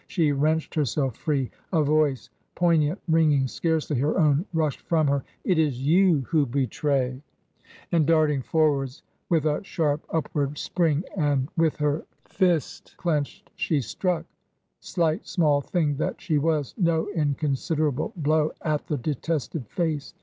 She wrenched herself free. A voice poignant, ringing — scarcely her own— rushed from her— " It is you who betray /" And darting forwards with a sharp upward spring and with her fist clenched, she struck — slight, small thing that she was — no inconsiderable blow at the detested face.